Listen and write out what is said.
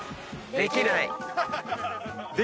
できない。